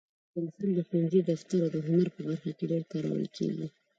پنسل د ښوونځي، دفتر، او هنر په برخه کې ډېر کارول کېږي.